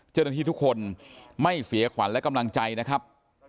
เจ้าหน้าที่ทุกคนไม่เสียขวัญและกำลังใจนะครับ